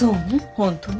本当に。